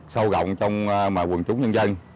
sâu rộng trong quần chúng nhân dân